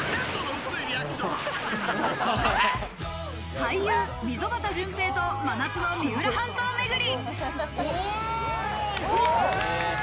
俳優・溝端淳平と真夏の三浦半島めぐり。